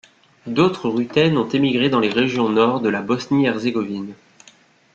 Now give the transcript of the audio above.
D'autres Ruthènes ont émigré dans les régions nord de la Bosnie-Herzégovine.